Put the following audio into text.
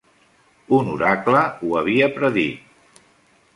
Un oracle ho havia predit.